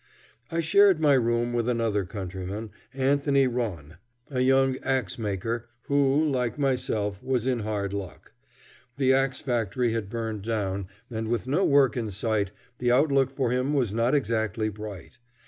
I shared my room with another countryman, Anthony Ronne, a young axe maker, who, like myself, was in hard luck. The axe factory had burned down, and, with no work in sight, the outlook for him was not exactly bright.